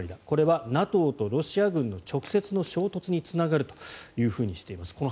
これはＮＡＴＯとロシア軍の直接の衝突につながるとしています。